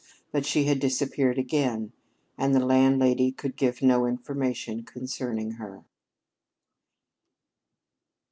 But she had disappeared again, and the landlady could give no information concerning her.